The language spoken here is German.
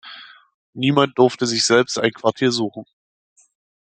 Niemand durfte sich selbst ein Quartier suchen.